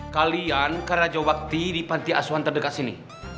kalian karena jawab bakti di panti asuhan terdekat sini